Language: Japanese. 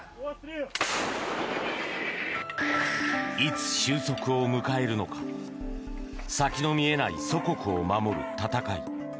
いつ終息を迎えるのか先の見えない祖国を守る戦い。